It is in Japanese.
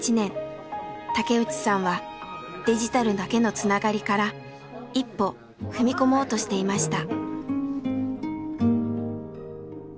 竹内さんはデジタルだけのつながりから一歩踏み込もうとしていました。